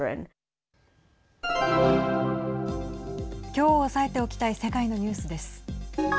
きょう押さえておきたい世界のニュースです。